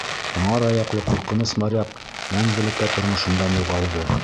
Һыңар аяҡлы ҡурҡыныс моряк мәңгелеккә тормошомдан юғалды.